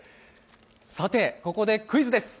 さて、ここでクイズです。